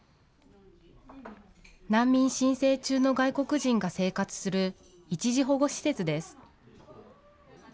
難民申請中の外国人が生活する一時保護施設です。